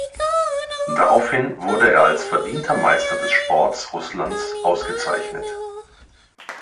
Daraufhin wurde er als Verdienter Meister des Sports Russlands ausgezeichnet.